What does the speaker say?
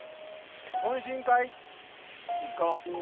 懇親会行こう。